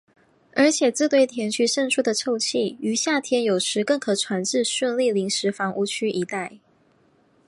而且自堆填区渗出的臭气于夏天有时更可传至顺利临时房屋区一带。